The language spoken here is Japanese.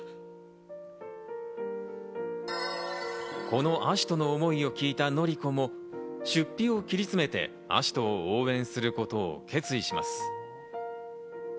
この葦人の思いを聞いた紀子も出費を切り詰めて葦人を応援することを決意します。